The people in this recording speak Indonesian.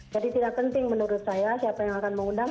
jadi tidak penting menurut saya siapa yang akan mengundang